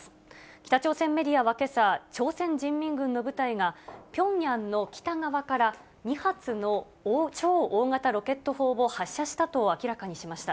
北朝鮮メディアはけさ、朝鮮人民軍の部隊が、ピョンヤンの北側から、２発の超大型ロケット砲を発射したと明らかにしました。